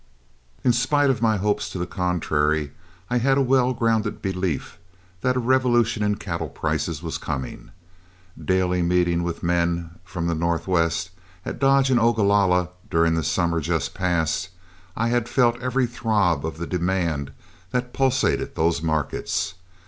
In spite of my hopes to the contrary, I had a well grounded belief that a revolution in cattle prices was coming. Daily meeting with men from the Northwest, at Dodge and Ogalalla, during the summer just passed, I had felt every throb of the demand that pulsated those markets.